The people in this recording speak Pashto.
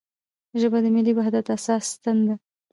ژبه د ملي وحدت اساسي ستن ده